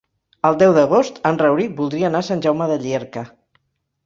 El deu d'agost en Rauric voldria anar a Sant Jaume de Llierca.